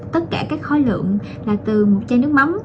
tất cả các khối lượng là từ một chai nước mắm